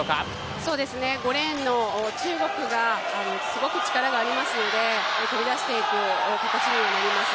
５レーンの中国がすごく力がありますので飛び出していく形にはなります。